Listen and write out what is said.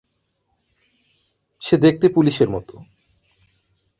সে দেখতে পুলিশের মতো।